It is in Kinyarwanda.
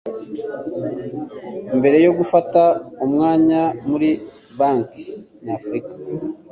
mbere yo gufata umwanya muri Banki Nyafurika